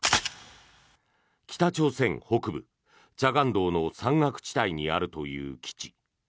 北朝鮮北部慈江道の山岳地帯にあるという基地。